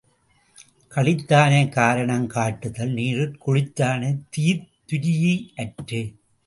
களித்தானைக் காரணங் காட்டுதல் நீருட் குளித்தானைத் தீத்துரீ யற்று.